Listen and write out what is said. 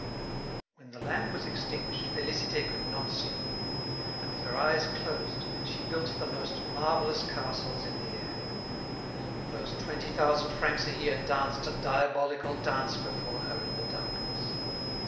When the lamp was extinguished, Félicité could not sleep. With her eyes closed she built the most marvellous castles in the air. Those twenty thousand francs a year danced a diabolical dance before her in the darkness.